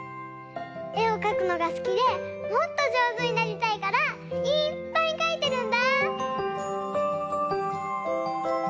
えをかくのが好きでもっと上手になりたいからいっぱいかいてるんだぁ！